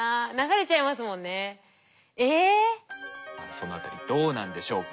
そのあたりどうなんでしょうか？